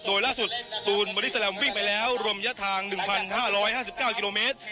โดยล่าสุดตูนบลิสตาแรมวิ่งไปแล้วลงยะทาง๑๕๕๙กิโลเมตร